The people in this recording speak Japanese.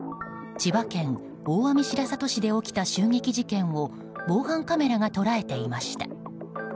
千葉県大網白里市で起きた襲撃事件を防犯カメラが捉えていました。